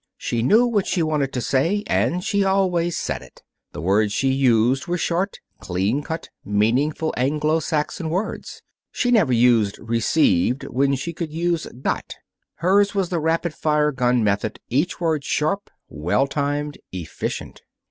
She knew what she wanted to say and she always said it. The words she used were short, clean cut, meaningful Anglo Saxon words. She never used received when she could use got. Hers was the rapid fire gun method, each word sharp, well timed, efficient.